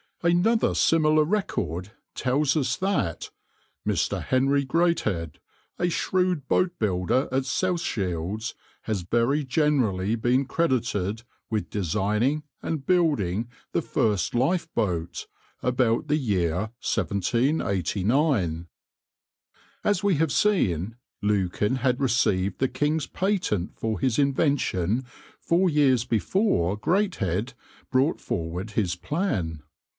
Another similar record tells us that "Mr. Henry Greathead, a shrewd boatbuilder at South Shields, has very generally been credited with designing and building the first lifeboat, about the year 1789." As we have seen, Lukin had received the king's patent for his invention four years before Greathead brought forward his plan.